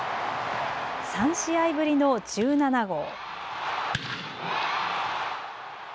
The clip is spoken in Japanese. ３試合ぶりの１７号。